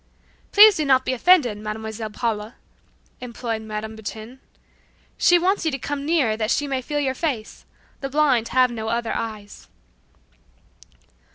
"Please do not be offended, Mademoiselle Paula," implored Madame Bertin; "she wants you to come nearer that she may feel your face. The blind have no other eyes."